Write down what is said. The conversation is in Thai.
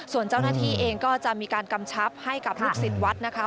ส่วนเจ้าหน้าที่เองก็จะมีการกำชับให้กับลูกศิษย์วัดนะคะ